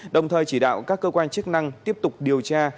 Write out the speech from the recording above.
đồng thời chỉ đạo các cơ quan chức năng tiếp tục điều tra